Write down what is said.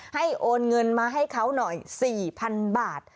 โอนเงินมาให้เขาหน่อย๔๐๐๐บาท